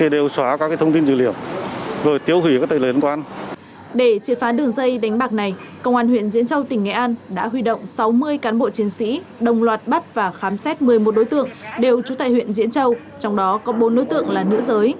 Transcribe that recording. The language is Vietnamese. để triệt phá đường dây đánh bạc này công an huyện diễn châu tỉnh nghệ an đã huy động sáu mươi cán bộ chiến sĩ đồng loạt bắt và khám xét một mươi một đối tượng đều trú tại huyện diễn châu trong đó có bốn đối tượng là nữ giới